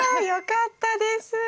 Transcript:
よかったです！